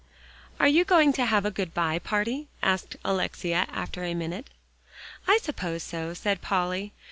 "Are you going to have a good by party?" asked Alexia after a minute. "I suppose so," said Polly.